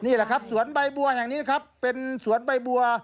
นี่แหละครับสวนใบบัวแห่งนี้นะครับเป็นสวนใบบัว